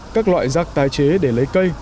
các loại rác tái chế để lấy cây